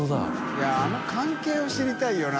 いやぁあの関係を知りたいよな。